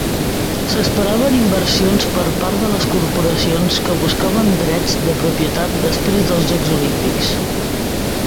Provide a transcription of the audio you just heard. S'esperaven inversions per part de les corporacions que buscaven drets de propietat després dels Jocs Olímpics.